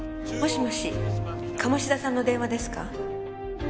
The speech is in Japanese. もしもし鴨志田さんの電話ですか？